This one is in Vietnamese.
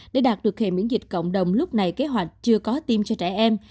để đạt được hệ miễn dịch cộng đồng lúc này kế hoạch chưa có tiêm cho trẻ em